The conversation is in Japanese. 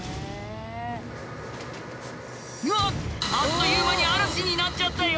あっという間に嵐になっちゃったよ。